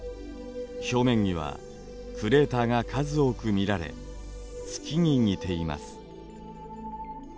表面にはクレーターが数多く見られ月に似ています。